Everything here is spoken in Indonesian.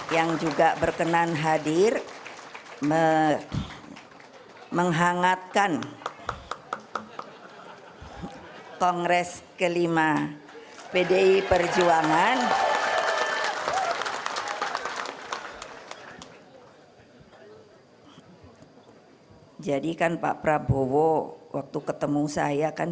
yang juga berkenan hadir menghangatkan kongres ke lima pdi perjuangan